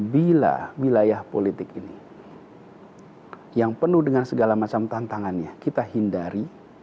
bila wilayah politik ini yang penuh dengan segala macam tantangannya kita hindari